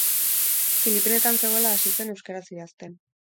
Filipinetan zegoela hasi zen euskaraz idazten.